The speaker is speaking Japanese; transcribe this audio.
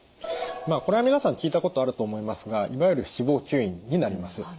まあこれは皆さん聞いたことあると思いますがいわゆる脂肪吸引になります。